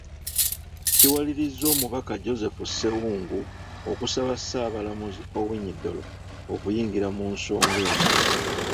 Kiwaliriza Omubaka Joseph Ssewungu okusaba Ssaabalamuzi Owiny Dollo okuyingira mu nsonga eno.